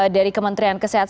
dari kementerian kesehatan